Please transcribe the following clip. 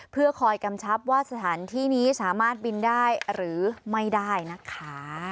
เพื่อคอยกำชับว่าสถานที่นี้สามารถบินได้หรือไม่ได้นะคะ